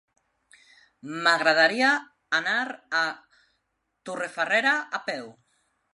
M'agradaria anar a Torrefarrera a peu.